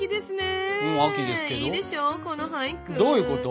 どういうこと？